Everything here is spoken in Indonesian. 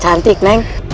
ya kambute cantik penang